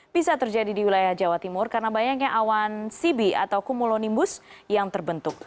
bisa terjadi di wilayah jawa timur karena banyaknya awan sibi atau cumulonimbus yang terbentuk